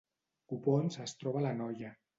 Copons es troba a l’Anoia